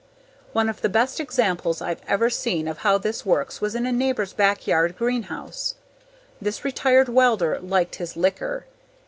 One of the best examples I've ever seen of how this works was in a neighbor's backyard greenhouse. This retired welder liked his liquor.